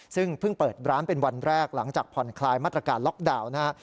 ซึ่งเพิ่งเปิดร้านเป็นวันแรกหลังจากผ่อนคลายมาตรการล็อกดาวน์นะฮะ